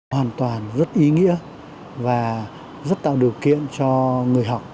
hoàn toàn rất ý nghĩa và rất tạo điều kiện cho người học